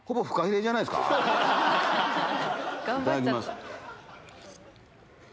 いただきます。